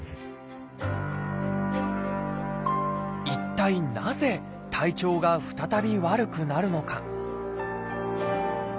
一体なぜ体調が再び悪くなるのか？